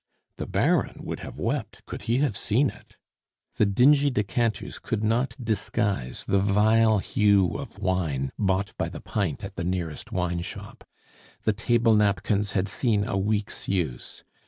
The Baron would have wept could he have seen it. The dingy decanters could not disguise the vile hue of wine bought by the pint at the nearest wineshop. The table napkins had seen a week's use.